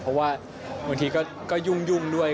เพราะว่าบางทีก็ยุ่งด้วย